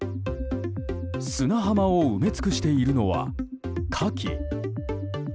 砂浜を埋め尽くしているのはカキ。